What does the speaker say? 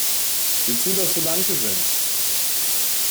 Sieh zu, dass du Land gewinnst!